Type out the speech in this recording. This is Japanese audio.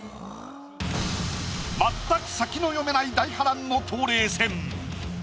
全く先の読めない大波乱の冬麗戦。